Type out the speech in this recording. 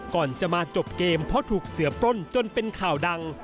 ก่อนจะมาจบเกมเพราะถูกเสือปล้นจนเป็นข่าวดัง